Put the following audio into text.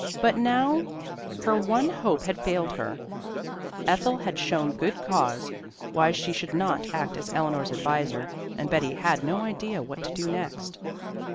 But now her one hope had failed her; Ethel had shown good cause why she should not act as Eleanor's adviser and Betty had no idea what to do next.